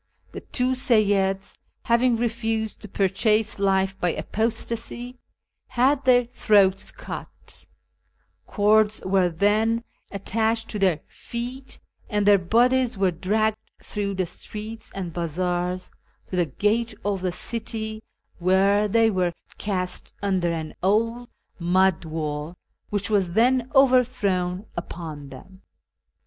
The two Seyyids, having refused to purchase life by apostacy,^ had their throats cut ; cords were then attached to their feet, and their bodies were dragged through the streets and bazaars to the gate of the city, where they were cast under an old mud wall, which was then overthrown upon them.